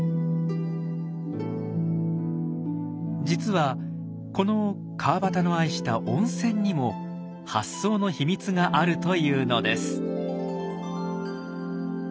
実はこの川端の愛した温泉にも発想の秘密があるというのです。